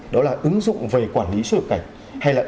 đó là ứng dụng về quản lý xuất nhập cảnh